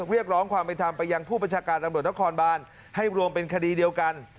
เรียกร้องความเป็นธรรมไปยังผู้บัญชาการตำรวจนครบานให้รวมเป็นคดีเดียวกัน